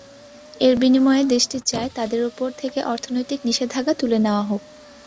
এর বিনিময়ে দেশটি চায় তাদের ওপর থেকে অর্থনৈতিক নিষেধাজ্ঞা তুলে নেওয়া হোক।